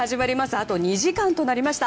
あと２時間となりました。